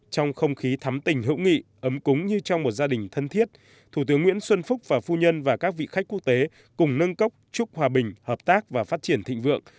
trong không khí thắm tình hữu nghị ấm cúng như trong một gia đình thân thiết thủ tướng nguyễn xuân phúc và phu nhân và các vị khách quốc tế cùng nâng cốc chúc hòa bình hợp tác và phát triển thịnh vượng